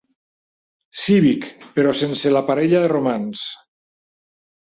Cívic, però sense la parella de romans.